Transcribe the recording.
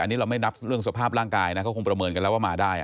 อันนี้เราไม่นับเรื่องสภาพร่างกายนะเขาคงประเมินกันแล้วว่ามาได้